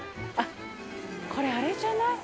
これ、あれじゃない？